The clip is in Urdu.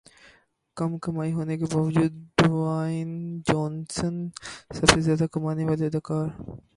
کم کمائی ہونے کے باوجود ڈیوائن جونسن سب سے زیادہ کمانے والے اداکار